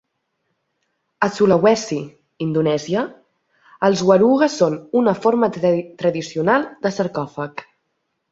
A Sulawesi, Indonèsia, els waruga són una forma tradicional de sarcòfag.